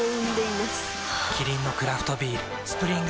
キリンのクラフトビール「スプリングバレー」